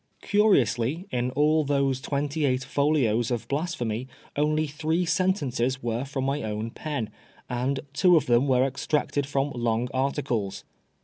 Curiously, in all those twenty eight folios of blas phemy, only three sentences were from my own pen, And two of them were extracted from long articles.